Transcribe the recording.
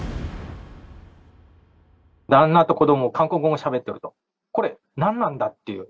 旦那と子ども、韓国語しゃべってると、これ、何なんだっていう。